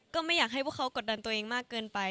ก็ไม่อยากให้พวกเขากดดันตัวเองมากเกินไป